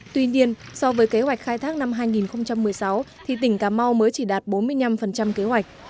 tuy nhiên so với kế hoạch khai thác năm hai nghìn một mươi sáu thì tỉnh cà mau mới chỉ đạt bốn mươi năm kế hoạch